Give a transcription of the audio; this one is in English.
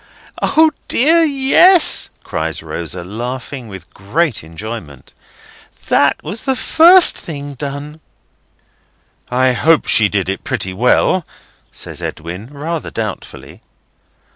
O dear yes!" cries Rosa, laughing with great enjoyment. "That was the first thing done." "I hope she did it pretty well," says Edwin rather doubtfully.